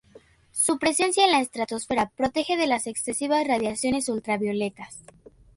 Su presencia en la estratosfera protege de las excesivas radiaciones ultravioletas.